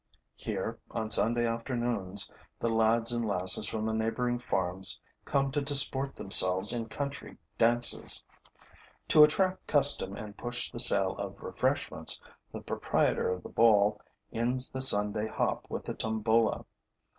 Here, on Sunday afternoons, the lads and lasses from the neighboring farms come to disport themselves in country dances. To attract custom and push the sale of refreshments, the proprietor of the ball ends the Sunday hop with a tombola.